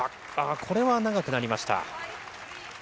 これは長くなりました。